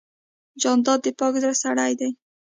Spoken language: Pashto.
جانداد د پاک زړه سړی دی.